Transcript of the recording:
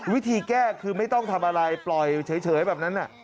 วิธีแก้คือไม่ต้องทำอะไรปล่อยเฉยแบบนั้น